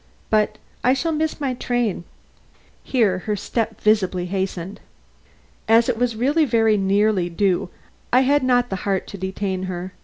But, I shall miss my train." Here her step visibly hastened. As it was really very nearly due, I had not the heart to detain her.